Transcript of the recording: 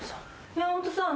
山本さん。